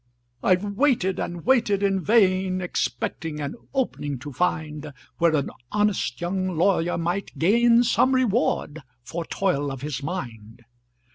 "I've waited and waited in vain, Expecting an 'opening' to find, Where an honest young lawyer might gain Some reward for toil of his mind.